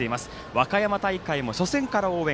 和歌山大会も初戦から応援。